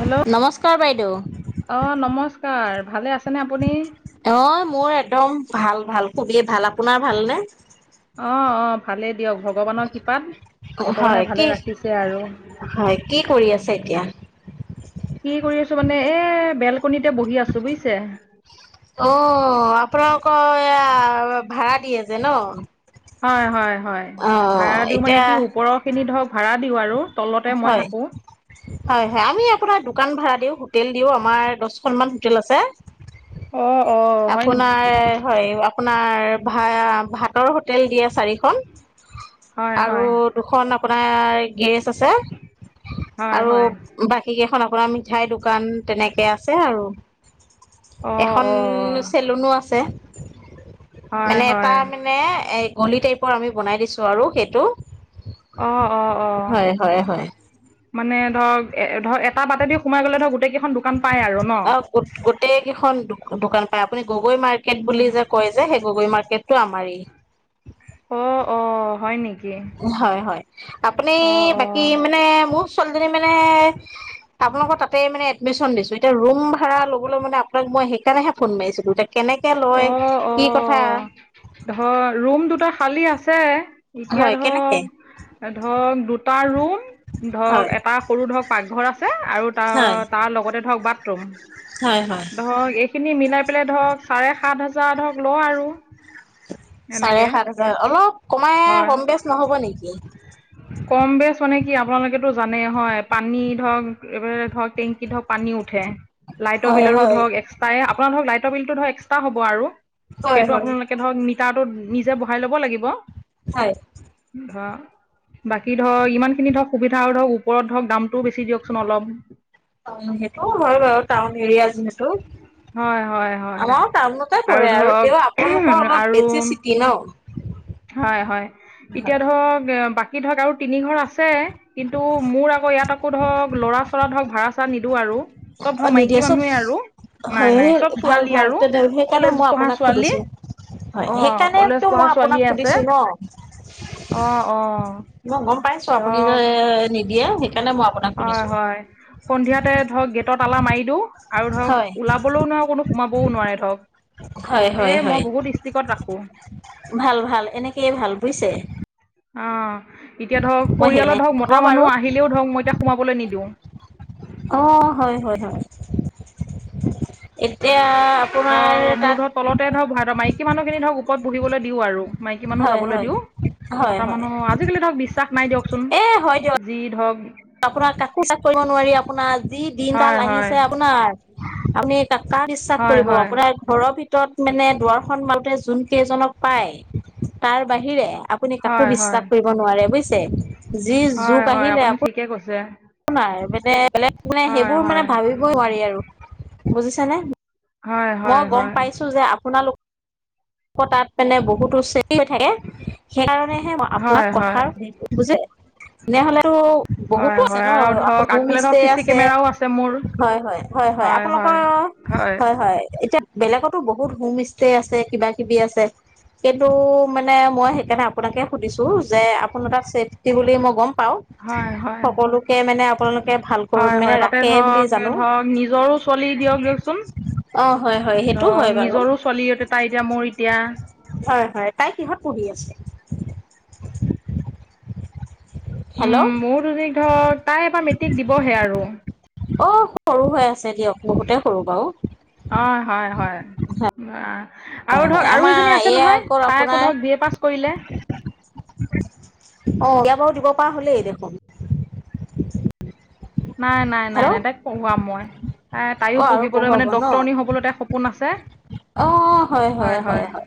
Hello নমস্কাৰ বাইদেউ অ নমস্কাৰ। ভালে আছেনে আপুনি অ, মোৰ একদম ভাল ভাল খুবেই ভাল আপোনাৰ ভালনে? অৱ অৱ ভালেই দিয়ক ভগৱানৰ কৃপাত। ভগৱানে হয় ভালে কি, ৰাখিছে আৰু হয় কি কৰি আছা এতিয়া? কি কৰি আছো মানে এ বেল। অ, আপোনোলোকৰ এয়া। ভাড়া দি আছে ন। হয় হয় হয় ভাড়া অ' দিওঁ মানে এতিয়া কি ওপৰৰ খিনি ধৰক ভাড়া দিওঁ আৰু তলতে মই হয়, থাকো হয় হয় আমি আপোনাৰ দোকান ভ়াডা দিও হোটেল দিও আমাৰ দহখনমান হোটেল আছে। অ অ হয় নেকি আপোনাৰ হয় আপোনাৰ ভাই ভাতৰ হোটেল দি আছে চাৰিখন হয় আৰু হয় দুখন আপোনাৰ গ্ৰেৰ্ড আছে। হয় হয় আৰু অ এখন অ চেলুনো আছে। হয় এনে এটা হয় মানে গলি টাইপ আমি বনাই দিছোঁ আৰু সেইটো অৱ অৱ হয় অৱ হয় হয় মানে ধৰক এ ধৰ এটা বাটেদি সোমাই গলে ধৰ গোটেই কেইখন দোকান পায় আৰু ন। হয় আপুনি গগৈ মাৰ্কেট বুলি যে কয় যে, সেই গগৈ মাৰ্কেটটো আমাৰেই অ অ হয় নেকি। হয় হয় আপুনি বাকী অ', মানে মোৰ ছোৱালীজনী মানে আপোনালোকৰ তাতে মানে এডমিশন দিছো এতিয়া ৰুম ভাড়া লবলৈ মানে আপোনাক মই সেইকাৰণে ফোন মাৰিছিলো। কেনেকে অ', লয় অ', কি কথা। অ', ধৰ ৰুম দুটা খালী আছে। এতিয়া হয় কেনেকে ধৰক, ধৰক দুটা ৰুম ধৰক হয় এটা সৰু ধৰক পাকঘৰ ঘৰ আছে আৰু ত হয় তাৰ লগতে ধৰক বাথৰুম হয় হয় ধৰক এইখিনি মিলাই পেলাই ধৰক চাৰে সাত হাজাৰ ধৰক ল আৰু চাৰে এনেকে সাত হাজাৰ অলপ কমাই হয় কম বেচ নহব নেকি। কম বেছ মান। কি আপোনালোকেেতটো জানে হয় পানী ধৰক ধৰ টেংকিত ধৰক পানী উঠে ল। টৰ হয় হয় বিলোৰক এক্সট্ৰাই আপোনাৰ ধৰক লাইটৰ বিলটো ধৰক এক্সট্ৰ হব আৰু। হয় সেইটো হয় আপোনালোকে ধৰক মিটাৰটো নিজে বহাই ল'ব লাগিব। হয় হা। বাকী ধৰক ইমান খিনি ধৰক সুবিধা আৰু ধৰক ওপৰত ধৰক দামটোও বেছি দিয়কচোন অলপ। অ সেইটো হয় বাৰু টাউন এৰিয়া যিহেতু। হয় হয় হয় আমাৰো কাম দুতে কৰে আৰু তেওঁ আপোনালোকৰ অলপ আৰু বেছি চিটি ন। হয় হয় এতিয়া ধৰক। বাকী ধৰক আৰু তিনি ঘৰ আছে কিন্তু মোৰ আকৌ ইয়াত আকৌ ধৰক লৰা চৰা ধৰক ভাড়া চা নি। নি আৰু চব অ ধ নিদিয়ে মাইকী চব মানুহে আৰু। নাই হয় নাই চব ভাল ছোৱালী ভাল আৰু তে সেইকাৰণে কলেজ মই পঢ়া আপোনাক ছোৱালী সুধিছো। হয় অ সেইকাৰণ তো মই আপোনাক সুধিছো ন। অহ অহ। মই গম পাইছো আপুনি যে নিদিয়ে সেইকাৰণে মই আপোনাক হয় শুনিছো। হয় সন্ধিয়াতে ধৰক গেটত আলা মাৰি দিও আৰু ধৰক হয় ওলাবলৈও নোৱাৰো কোনো সোমাবও নোৱাৰে ধৰক। হয় এ হয় মই হয় বহুত ডিষ্ট্ৰিকত ৰাখো। অ ভাল ভাল এনেকেই ভাল বুজিছে এতিয়া ধৰক মই পৰিয়ালত সেইকাৰণে ধৰক হ'ব মতা মানুহ বাৰু আহিলেও ধৰক মই এতিয়া। সোমাবলৈ নিদিওঁ। অ হয় হয় হয়। এতিয়া আপোনাৰ তাত। স মানুহখিনি ধৰক ওপৰত বহিবলৈ দিওঁ আৰু। মাইকী মানুহ হয় যাবলৈ হয় দিওঁ হয় মতা হয় মানুহ আজিকালি ধৰক বিশ্বাস নাই দিয়কচোন। এ হয় দিয়ক যি ধক। আপোনাক ক কৰিব নোৱাৰি আপোনাৰ যি হয় দিনডাল হয় আহিছে আপোনাৰ আপুনি। বিশ্বাস হয় কৰিব হয় আপোনাৰ ঘৰৰ ভিতৰত মানে দুৱাৰখন। যোন কেইজনক পাই তাৰ বাহিৰে আপুনি কাকো হয় হয় বিশ্বাস কৰিব নোৱাৰে বুজি। যি হয় যগ হয় আহিলে আপুনি আকৌ। ঠিকে কৈছে নাই মানে বেলেগ মানে হয় সেইবোৰ হয় মানে ভাবিবই নোৱাৰি আৰু বুজিছানে। হয় মই হয় গম হয় পাইছো যে আপোনালোক তাত মানে বহুতো উ। থাকে সেইকাৰণেহে মই আপোনাক হয় হয় কথাৰ বুজ তেনেহলে। টো হয় বহুতো আছে হয় ন আৰু ধৰক সোম আগফালে ধৰক ইচতে চি চি আছে কেমেৰাও আছে মোৰ হয় হয় আপোনালোকৰ। অ হয় হয় এতিয়া বেলেগতো বহুত হোম ষ্টে আছে কিবা। কিবি আছে কিন্তু মানে মই সেইকাৰণে আপোনাকে সুধিছো। যে আপোনাৰ এ টা চছেফটি বুলি মোক। হয়, হয়, আপোনালোকে ভালকৈ হয়, মানে হয়, তাতে ৰাখে বুলি ধৰক জানো ধৰক নিজৰো। ছোৱালী দিয়ক দিয়কচোন অ হয় হয় সেইটো হয় ধৰক বাৰু নিজৰো ছোৱালীতে তাই এতিয়া মোৰ এতিয়া। হয় হয় তাই কিহত পঢ়ি আছে। হেল্ল' উম মোৰ দুদি ধৰ তাই এবাৰ মেট্ৰিক দিবহে আৰু। অ সৰু হৈ আছে দিয়ক বহুতেই সৰু বাৰু। অ হয় হয়। হয় আৰু হয় ধৰক আৰু আমাৰ এজনী আছে এয়া নহয় তাই আকৌ আপোনাৰ ধৰক বি এ পাছ কৰিলে। অ এয়া বাৰু দিব পৰা হলেই দেখোন। নাই নাই নাই নাই হেল্ল' তাই কঢ়োৱাম মই। এ অ তাইও আৰু পঢ়িবলৈ পঢ়ুৱাব মানে ন ডক্তৰণি হবলৈ তাই সপোন আছে। অ হয় হয় হয় হয়।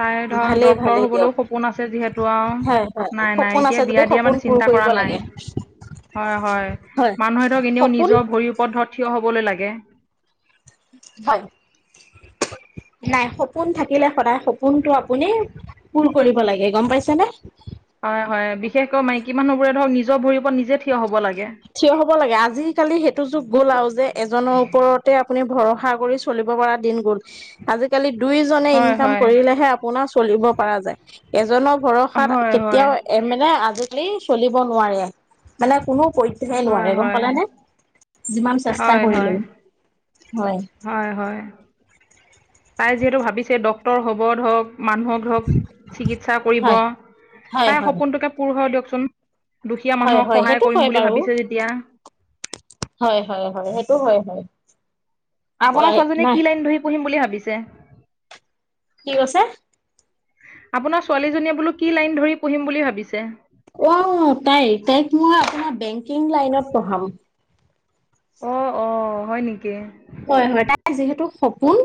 তাই ধৰক ভালেই ডক্তৰ ভালেই হ'বলৈও দিয়ক সপোন আছে যিহেতু আৰু হ হয় নাই নাই সপোন এতিয়া আছে যদি বিয়া দিয়া মানে সপোনাক। পুৰ চিন্তা কৰা কৰিব নাই লাগে। হয় হয় মানুহতক এনেও সপোন নিজৰ ভৰি ওপৰত ধ থিয় হবলৈ লাগে। হয়। নাই সপোন থাকিলে সদায় সপোনটো আপুনি পূৰ কৰিব লাগে গম পাইছেনে হয় হয় বিশেষকৈ মাইকী মানুহবোৰে ধৰক নিজৰ ভৰিব পৰা নিজে থি থিয় হ'ব লাগে আজিকালি সেইটো যুগ গ'ল আৰু যে এজনৰ ওপৰতে আপুনি ভৰসা চল আশা কৰি চলিব পৰা দিন গল আজিকালি দুই জনে হয় ইনকাম হয় কৰিলেহে আপোনাৰ চলিব কৰা যায় এজনৰ ভৰসাত হয় হয় কেতিয়াও মানে আজি কালি চলিব নোৱাৰে মানে কোনো পধ্যে হয় নোৱাৰে গম হয় পালে নে যিমান চেষ্টা হয় কৰিলো হয় হয় হয়। তাই যিহেতু ভাবিছে ডক্তৰ হ'ব ধক মানুহক ধৰক চিকিৎসা কৰিব হয় হয় তাই হয় সপোনটোকে পূৰ হৈ দিয়কচোন দুখীয়া হয় মানুহক হয় সহায় সেইটো কৰিম হয় বুলি বাৰু ভাবিছে যেতিয়া। হয় হয় হয় সেইটো হয় হয় আপোনাৰ ছোৱালীজনীয়ে নাই কি লাইন ধৰি পঢ়িম বুলি ভাবিছে কি কৈছে আপোনাৰ ছোৱালীজনীয়ে বোলো কি লাইন ধৰি পঢ়িম বুলি ভাবিছে অ তাই তাইক মই আপোনাৰ বেংকিং লাইনত পঢ়াম অ অ হয় নেকি হয় হয় তাই যিহেতু সপোন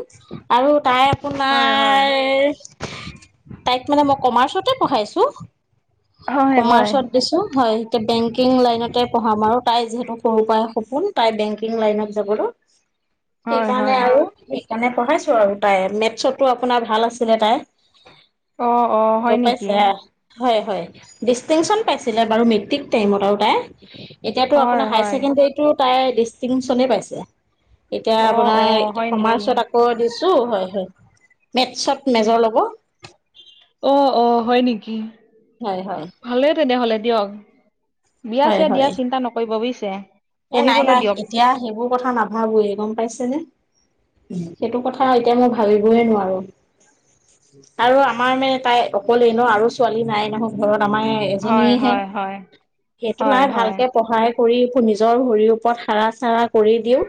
আৰু তাই হয়, হয়। আপোনাৰ তাইক মানে মই কমাৰ্চতে পঢ়াইছোঁ হয়, হয়। কমাৰ্চত দিছো হয় এতিয়া বেংকিং লাইনতে পঢ়াম আৰু তাই যিহেতু সৰু পৰা সপোন তাই বেংকিং লাইনত যাব হয়, সেইকাৰণে হয়। আৰু সেইকাৰণে পঢ়িছোঁ আৰু তাই মেথছতো আপোনাৰ ভাল আছিলে তাই অ অ হয় গম নেকি। পাইছে হয় হয় ডিষ্টিংশচন পাইছিলে বাৰু মেট্ৰিক টাইমত আৰু তাই এতিয়াতো হয়, আপোনাৰ হায়াৰ হয়। ছেকেণ্ডেৰীতো তাই ডিষ্টিংশচনেই পাইছে এতিয়া অ', আপোনাৰ অ', এতিয়া হয় সময় নেকি? ওচৰত আকৌ দিছো হয় হয় মেটছত মেজৰ ল'ব অ অ হয় নেকি হয় হয় ভালে তেনেহলে দিয়ক বিয়া হয় চিয়া দিয়া হয় চিন্তা নকৰিব বুজিছে। এ নাই পঢ়িবলৈ নাই দিয়ক। এতিয়া সেইবোৰ কথা নাভাবোয়ে গম পাইছেনে সেইটো কথা এতিয়া মই ভাবিবয়ই নোৱাৰো আৰু আমাৰ মানে তাই অকলে ন আৰু ছোৱালী নাই নহয় ঘৰত তমাৰ এজনী হয়, হে হয়, হয়। সেইটো নাই হয়, হয়। ভালকে পঢ়াই কৰি শুনিছো নিজৰ ভৰিৰ ওপৰত খাৰা চাৰা কৰি দিওঁ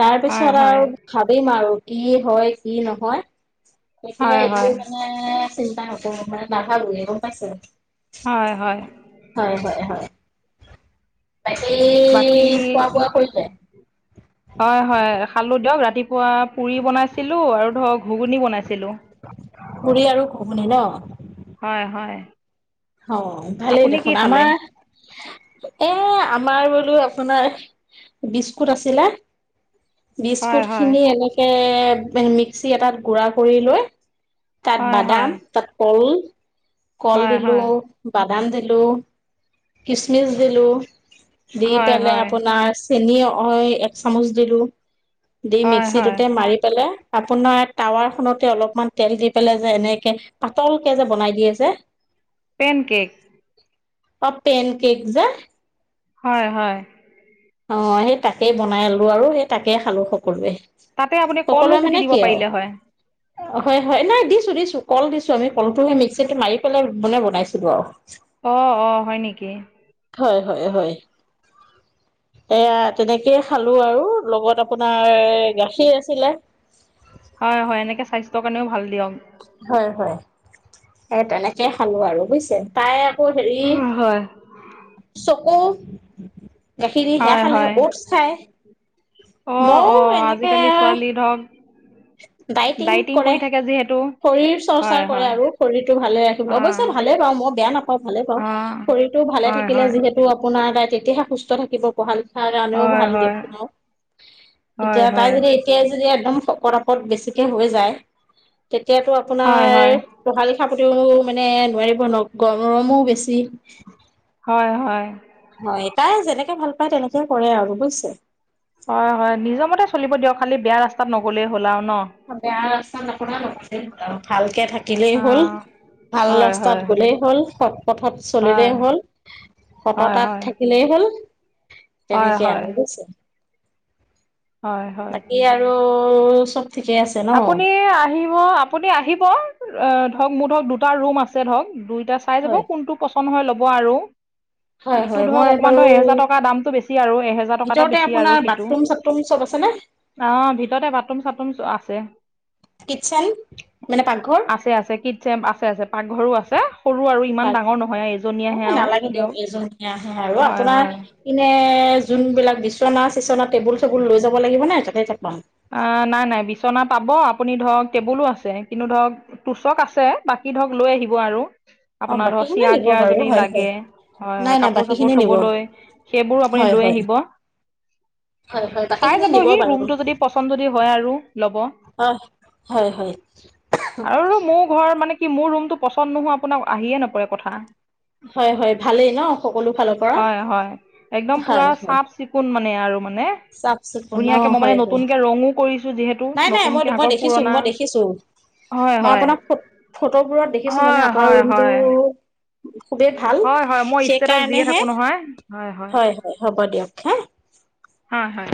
তাৰ হয়, পিছত হয়। আৰু ভাবিম আৰু ই হয় কি নহয় তেতিয়া হয়, হয়। এইবোৰ মানে চিন্তা ন কৰোঁ নাভাবো এই গম পাইছে হয়, হয়। হয় হয় হয় তাকেই বাকী হয় হয় খালো দিয়ক ৰাতি ৰাতিপুৱা পুৰি বনাইছিলো আৰু ধৰ ঘুগুনি বনাইছিলো পুৰি আৰু ঘুগুনী ন হয় হয় অ ভালেই আপুনি কি দেখোন খালে আমাৰ এ আমাৰ বোলো আপোনাৰ বিস্কুট আছিলে হয় বিস্কুট হয় খিনি এনেকে মিক্সি এটাত গুড়া কৰি লৈ তাত হয় বাদাম হয় তাত কল কল হয় দিলো হয় বাদ আাদাম দিলো কিচমিচ দিলো দি হয় পেলাই হয় আপোনাৰ চেনি অ এক চামুচ দিলোঁ দি হয় হয় মিক্সিটোতে মাৰি পেলাই আপোনাৰ টাৱাৰ খনতে অলপমান তেল দি পেলাই যে এনেকে পাতলকে যে বনাই দিয়ে যে পেন কেক পেন কেক যে হয় হয় অ সেই তাকে বনাই আলো আৰু সেই তাকে খালো সকলোৱে তাতে আপুনি কলো সকলোৱে কুটি মানে দিব কি আৰু পাৰিলে হয় হয় হয় নাই দিছো দিছো কল দিছো আমি কলটো সে মিক্সি মাৰি পেলাই মানে বনাইছিলো আৰু অ অ হয় নেকি হয় হয় হয়। [unintelligible] এয়া তেনেকেইে খালো আৰু লগত আপোনাৰ গাখীৰ আছিলে হয় হয় এনেকে স্বাস্থ্যৰ কাৰণেও ভাল দিয়ক হয় হয় স তেনেকে খালো আৰু বুজছে তাই চকৌ হেৰি হয় চকৌ গাখীৰ সেয়া খালে 'ট খাই অ অ আজিকালি ছোৱালী ধৰক ডাইটিং কৰে কৰি থাকে যিহেতু শৰীৰ চৰ্চা হয় কৰে হয় আৰু শৰীৰটো ভালে ৰাখিব অঁ অৱশ্য ভালে পাওঁ মই বেয়া নাপাওঁ ভালে পাওঁ অঁ শৰীৰতো ভালে হয় থাকিলে হয় যিহেতু আপোনাৰ গাই তেতিয়াহে সুস্থ থাকিব পঢ়াল কাৰণেও হয় ভাল গে হয় শুনাও হয় এতিয়া হয় তাই যদি এতিয়া যদি একদম বেছিকৈ হৈ যায় হয় হয় মানে নোৱাৰিব ন গৰম গৰমো বেছি হয় হয়। হয় তাই যেনেকে ভাল পায় তেনেকে কৰে আৰু বুজিছে হয় হয় নিজৰ মতে চলিব দিয়ক খালি বেয়া ৰাস্তাত নগলেই হ'ল আৰু ন বেয়া আপুনাছিল ভালকে থাকে থাকিলেই হ'ল অঁ ভাল হয় ৰাস্তাত হয় গলেই হ'ল সৎ পথত চলিলেই হয় হ'ল সত হয় তাত হয় থাকিলেই হ'ল হয় তেনেকে হয় আৰু বুজছে হয় হয় বাকী আৰু চব ঠিকেই আছে ন অ আপুনি আহিব অ ধৰক মোৰ ধৰক দুটা ৰুম আছে ধৰক দুইটা চাই যাব হয় কোনটো হৈ ল'ব আৰু হয় ইটো হয় ধৰক মই অকমান বাৰু ধৰ এহেজাৰ টকা দামতটো বেছি আৰু এহেজাৰ টকা এটা বেছি আৰু সিটো আছে নে অ ভিতৰতে বাথৰুম চাথৰুম আছে কিটচেন মানে পাকঘৰ আছে আছে কিট চেম আছে আছে পাকঘৰো আছে সৰু আৰু ইমান ডাঙৰ নহয় আৰু ভ এজনীয়েহে আৰু নালাগে দিয়ক এজন আহে আৰু হয় আপোনাৰ হয় এনে যোন বিলাক বিচনা চিচনা টেবুল চেবুল লৈ যাব লাগিব নাই, তাতে তাতে। অ, নাই নাই বিচনাত। পাব আপুনি ধৰক টেবুলো আছে, কিন্তু ধৰক তুচক আছে বাকী ধৰক লৈ আহিব আৰু। অ আপোনাৰ বাকী ধৰক খিনি চিয়াৰ নিব তিয়াৰ বাৰু যদি হয় হয় লাগে, হয় নাই হয় নাই কাপোৰ বাকী চাপোৰ খিনি নিব থবলৈ সেইবোৰ আপুনি। হয় লৈ হয় আহিব, হয় হয় বাকী চাই খিনি যাব নিব সি বাৰু ৰুমটো যদি। পচন্দ যদি হয় আৰু লব অ হয় হয় আৰু মোৰ ঘৰ মানে। কি মোৰ ৰুমতটো পচন্দ নোহোৱা আপোনাক আহিয়ে নপৰে কথা। হয় হয় ভালেই ন সকলো ফালৰ পৰা হয় হয়, একদম পুৰা হয় হয় চাফ চিকুণ মানে। আৰু মানে চাফ চিকুণ অ ধুনীয়াকে মই মানে হয়। নতুনকে ৰঙো কৰিছো যিহেতু নাই নাই, মই নতুনকে মই আগৰ দেখিছো পুৰণা মই দেখিছো। হয় মই হয় আপোনাৰ ফটোবোৰত দেখিছো মানে, হয় আপোনাৰ হয় ৰুমটো। হয় খুবেই ভাল হয় হয় মই ষ্টেটাচ দিয়ে সেইকাৰণেহে, থাকো নহয় হয় হয় হ'ব দিয়ক হা। হয় হয়।